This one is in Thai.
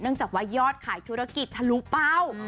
เนื่องจากว่ายอดขายธุรกิจถ้ารู้เปล่า